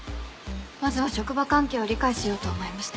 まずは職場環境を理解しようと思いまして。